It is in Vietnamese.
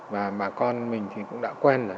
và bà con mình thì cũng đã quen rồi